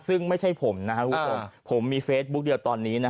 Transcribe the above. ซึ่งไม่ใช่ผมนะครับผมมีเฟสบุ๊คเดียวตอนนี้